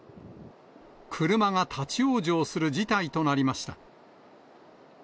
車が立往生する事態となりました。